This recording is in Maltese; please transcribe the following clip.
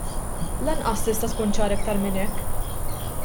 Lanqas tista' tkun ċara aktar minn hekk.